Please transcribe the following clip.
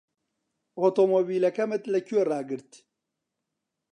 ئۆتۆمۆبیلەکەمت لەکوێ ڕاگرت؟